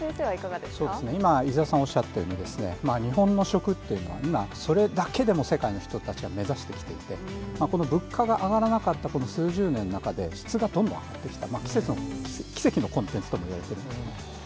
今、伊沢さんおっしゃったように、日本の食っていうのは、それだけでも世界の人たちは目指してきていて、この物価が上がらなかったこの数十年の中で、質がどんどん上がってきた、奇跡のコンテンツともいわれてるんですね。